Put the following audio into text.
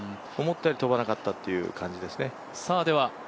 思ったより飛ばなかったという感じですね。